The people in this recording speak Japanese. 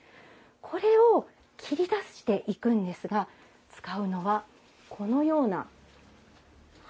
これを切り出していくんですが使うのはこのような針なんですね。